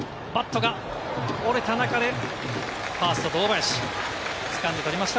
バットが折れた中で、ファースト・堂林、つかんで取りました。